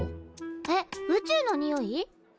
えっ宇宙のにおい？